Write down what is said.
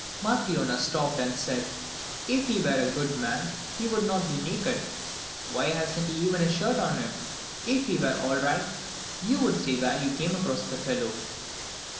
IV Matryona stopped and said: "If he were a good man he would not be naked. Why, he hasn't even a shirt on him. If he were all right, you would say where you came across the fellow."